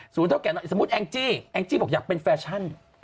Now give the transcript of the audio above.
เท่าแก่หน่อยสมมุติแองจี้แองจี้บอกอยากเป็นแฟชั่น